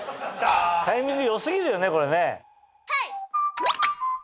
タイミング良過ぎるよねこれね。